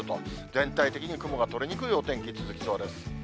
全体的に雲が取れにくいお天気が続きそうです。